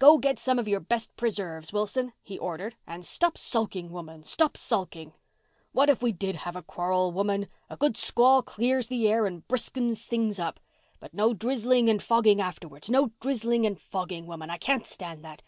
"Go, get some of your best preserves, Wilson," he ordered, "and stop sulking, woman, stop sulking. What if we did have a quarrel, woman? A good squall clears the air and briskens things up. But no drizzling and fogging afterwards—no drizzling and fogging, woman. I can't stand that.